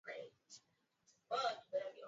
Jiko la kuni ni zuri.